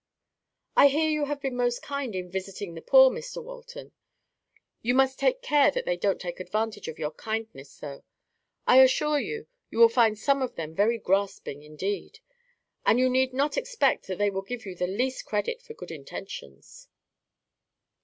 "I hear you have been most kind in visiting the poor, Mr Walton. You must take care that they don't take advantage of your kindness, though. I assure you, you will find some of them very grasping indeed. And you need not expect that they will give you the least credit for good intentions."